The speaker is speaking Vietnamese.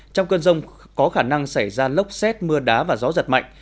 trong cơn rông có khả năng xảy ra lốc xét mưa đá và gió giật mạnh